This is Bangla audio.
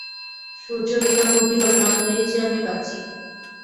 সুচরিতা কহিল, ভাঙলেই যে আমি বাঁচি।